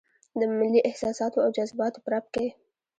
د ملي احساساتو او جذباتو په رپ کې.